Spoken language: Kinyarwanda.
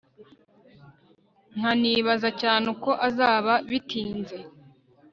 nkanibaza cyane uko azaba bitinze